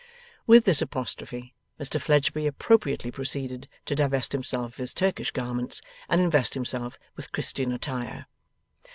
With this apostrophe Mr Fledgeby appropriately proceeded to divest himself of his Turkish garments, and invest himself with Christian attire.